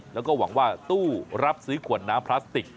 แล้วก็หวังว่าตู้รับซื้อขวดน้ำพลาสติก